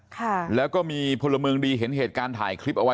ค่ะแล้วก็มีพลเมืองดีเห็นเหตุการณ์ถ่ายคลิปเอาไว้